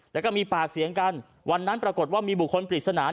แล้วก็มีปากเสียงกันวันนั้นปรากฏว่ามีบุคคลปริศนา